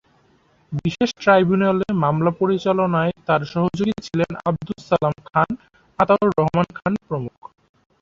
বিশেষ ট্রাইব্যুনালে মামলা পরিচালনায় তাঁর সহযোগী ছিলেন আবদুস সালাম খান, আতাউর রহমান খান প্রমুখ।